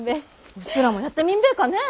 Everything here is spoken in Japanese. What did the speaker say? うちらもやってみんべぇかね。